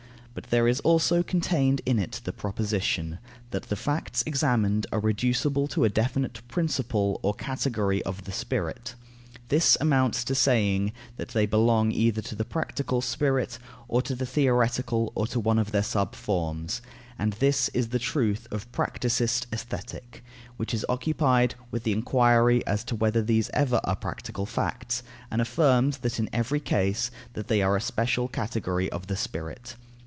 But there is also contained in it the proposition: that the facts examined are reducible to a definite principle or category of the spirit. This amounts to saying, that they belong either to the practical spirit, or to the theoretical, or to one of their subforms. And this is the truth of practicist Aesthetic, which is occupied with the enquiry as to whether these ever are practical facts, and affirms that in every case they are a special category of the spirit.